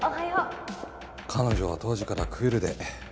彼女は当時からクールで理知的で。